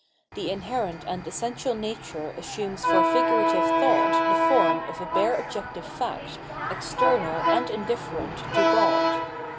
The inherent and essential nature assumes for figurative thought the form of a bare objective fact external and indifierent to God.